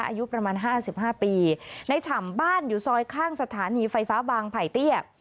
อายุประมาณห้าสิบห้าปีในฉ่ำบ้านอยู่ซอยข้างสถานีไฟฟ้าบางไผ่เตี้ย